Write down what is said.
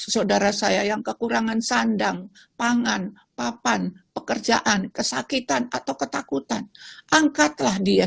saudara saya yang kekurangan sandang pangan papan pekerjaan kesakitan atau ketakutan angkatlah dia